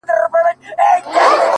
• په وطن کي چی نېستي سي د پوهانو ,